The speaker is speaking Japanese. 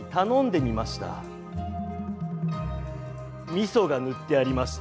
みそが塗ってありました。